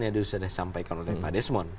yang disampaikan oleh pak desmon